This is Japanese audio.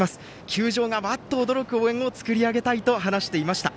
球場が、わっと驚く応援を作り上げたいと話していました。